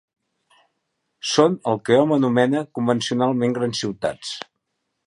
Són el que hom anomena convencionalment grans ciutats.